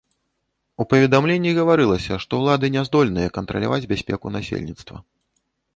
У паведамленні гаварылася, што ўлады не здольныя кантраляваць бяспеку насельніцтва.